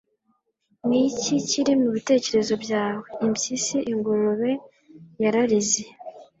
ni iki kiri mu bitekerezo byawe ...?' 'impyisi!' ingurube yararize